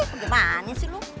gimana sih lu